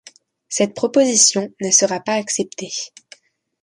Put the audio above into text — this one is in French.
Cette proposition ne sera pas acceptée.